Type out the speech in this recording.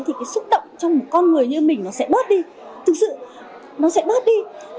thì cái xúc động trong một con người như mình nó sẽ bớt đi thực sự nó sẽ bớt đi